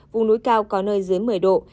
vùng núi cao có nơi dưới một mươi độ